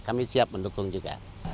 kami siap mendukung juga